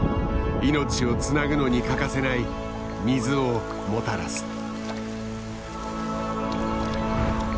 命をつなぐのに欠かせない水をもたらす。